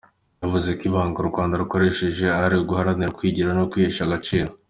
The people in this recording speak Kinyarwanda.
Yavuze ko ibanga u Rwanda rukoresha ari uguharanira ukwigira no kwihesha agaciro.